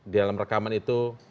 di dalam rekaman itu